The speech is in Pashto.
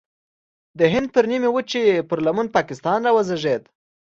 د هند د نیمې وچې پر لمن پاکستان راوزېږید.